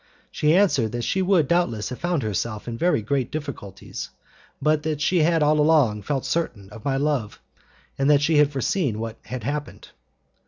She answered that she would doubtless have found herself in very great difficulties, but that she had all along felt certain of my love, and that she had foreseen what had happened.